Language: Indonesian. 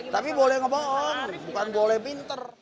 tapi boleh ngebohon bukan boleh pinter